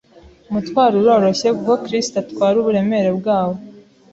Umutwaro uroroshye, kuko Kristo atwara uburemere bwawo.